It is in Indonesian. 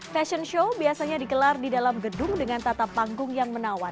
fashion show biasanya dikelar di dalam gedung dengan tata panggung yang menawan